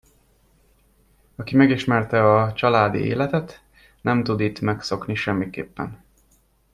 Aki megismerte a családi életet, nem tud itt megszokni semmiképpen.